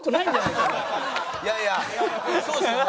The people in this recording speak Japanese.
いやいやそうですよね。